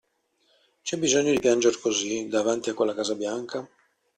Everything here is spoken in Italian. C'è bisogno di pianger così, davanti a quella casa bianca?